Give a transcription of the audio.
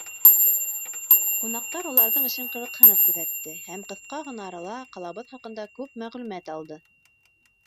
Ҡунаҡтар уларҙың эшен ҡыҙыҡһынып күҙәтте һәм ҡыҫҡа ғына арала ҡалабыҙ хаҡында күп мәғлүмәт алды.